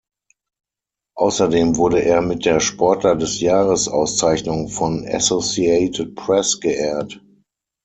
Außerdem wurde er mit der Sportler des Jahres-Auszeichnung von Associated Press geehrt.